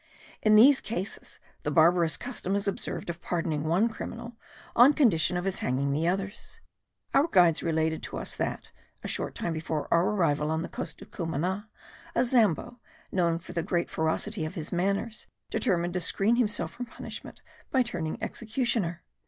In these cases the barbarous custom is observed of pardoning one criminal on condition of his hanging the others. Our guides related to us that, a short time before our arrival on the coast of Cumana, a Zambo, known for the great ferocity of his manners, determined to screen himself from punishment by turning executioner.